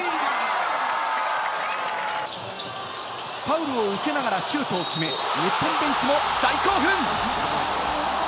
ファウルを受けながらシュートを決め、日本ベンチも大興奮！